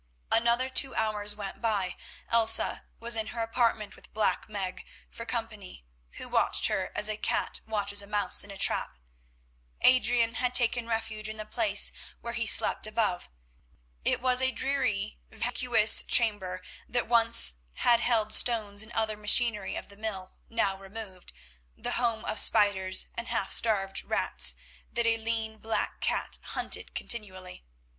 Another two hours went by. Elsa was in her apartment with Black Meg for company, who watched her as a cat watches a mouse in a trap. Adrian had taken refuge in the place where he slept above. It was a dreary, vacuous chamber, that once had held stones and other machinery of the mill now removed, the home of spiders and half starved rats, that a lean black cat hunted continually.